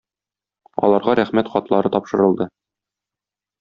Аларга рәхмәт хатлары тапшырылды.